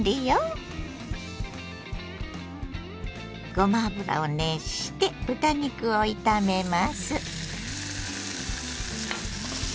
ごま油を熱して豚肉を炒めます。